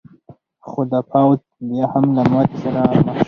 خو دا پوځ بیا هم له ماتې سره مخ شو.